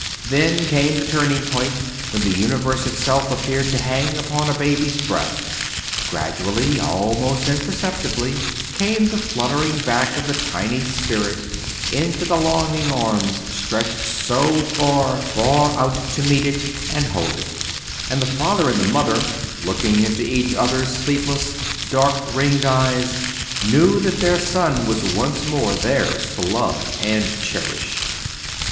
Then came the turning point when the universe itself appeared to hang upon a baby's breath. Gradually, almost imperceptibly, came the fluttering back of the tiny spirit into the longing arms stretched so far, far out to meet and hold it. And the father and the mother, looking into each other's sleepless, dark ringed eyes, knew that their son was once more theirs to love and cherish.